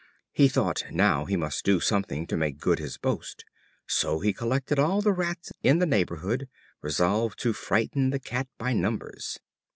He thought, now, he must do something to make good his boast. So he collected all the Rats in the neighborhood, resolved to frighten the Cat by numbers.